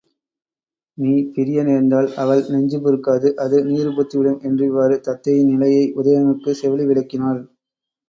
நீ பிரிய நேர்ந்தால் அவள் நெஞ்சு பொறுக்காது அது நீறுபூத்துவிடும் என்றிவ்வாறு தத்தையின் நிலையை உதயணனுக்குச் செவிலி விளக்கினாள்.